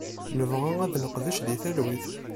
Nebɣa ad neqdec di talwit.